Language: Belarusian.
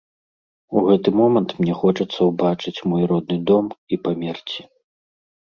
У гэты момант мне хочацца ўбачыць мой родны дом і памерці.